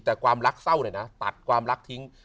แต่ความรักเศร้าเนี่ยนะตัดความรักทิ้ง